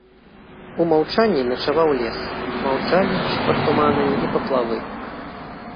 У маўчанні начаваў лес, маўчалі ж пад туманамі і паплавы.